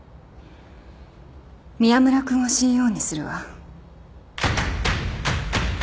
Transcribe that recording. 宮村君を ＣＥＯ にするわ